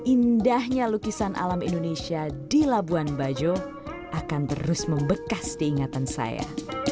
indahnya lukisan alam indonesia di labuan bajo akan terus membekas diingatan saya